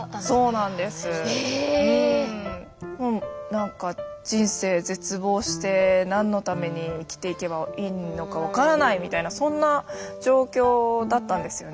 何か人生絶望して何のために生きていけばいいのか分からないみたいなそんな状況だったんですよね。